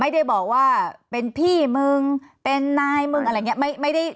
ไม่ได้บอกว่าเป็นพี่มึงเป็นนายมึงอะไรอย่างนี้